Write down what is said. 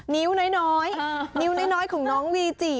นิ้วน้อยของน้องวีจิ